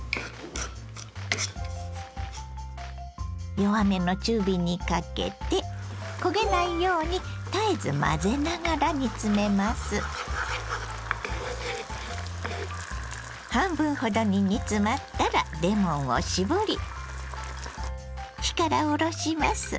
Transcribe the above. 弱めの中火にかけて半分ほどに煮詰まったらレモンを搾り火から下ろします。